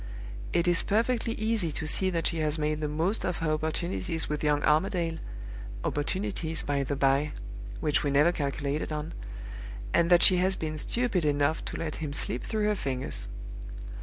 It is perfectly easy to see that she has made the most of her opportunities with young Armadale (opportunities, by the by, which we never calculated on), and that she has been stupid enough to let him slip through her fingers.